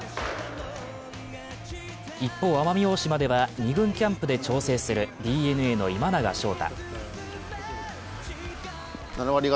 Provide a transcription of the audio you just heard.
一方、奄美大島では２軍キャンプで調整するＤｅＮＡの今永昇太。